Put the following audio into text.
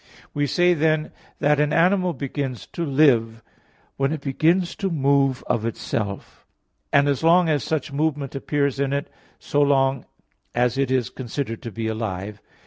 We say then that an animal begins to live when it begins to move of itself: and as long as such movement appears in it, so long as it is considered to be alive.